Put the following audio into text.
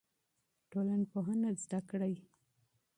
ټولنپوهنه زده کړئ.